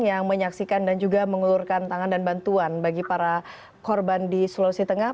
yang menyaksikan dan juga mengelurkan tangan dan bantuan bagi para korban di sulawesi tengah